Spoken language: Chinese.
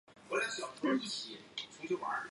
他的父亲托勒密是安提柯的弟弟。